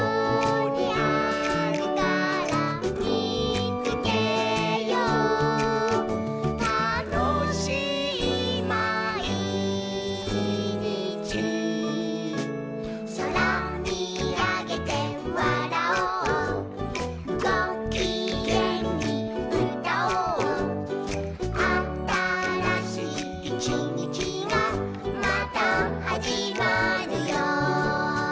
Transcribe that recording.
「みつけようたのしいまいにち」「そらみあげてわらおう」「ごきげんにうたおう」「あたらしいいちにちがまたはじまるよ」